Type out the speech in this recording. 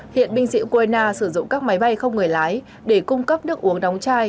hiện binh sĩ ukraine sử dụng các máy bay không người lái để cung cấp nước uống đóng chai